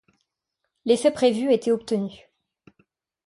L’effet prévu était obtenu.